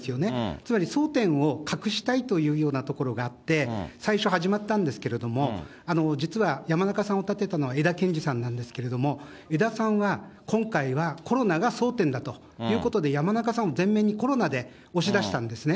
つまり争点を隠したいというようなところがあって、最初始まったんですけども、実は山中さんを立てたのは江田憲司さんなんですけれども、江田さんは今回はコロナが争点だということで、山中さんを全面的にコロナで押し出したんですね。